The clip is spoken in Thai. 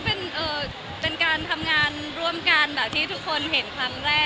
เป็นการทำงานร่วมกันแบบที่ทุกคนเห็นครั้งแรก